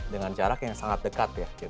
dengan jarak yang sangat dekat ya